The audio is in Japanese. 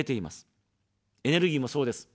エネルギーもそうです。